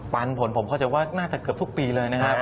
ปันผลผมเข้าใจว่าน่าจะเกือบทุกปีเลยนะครับ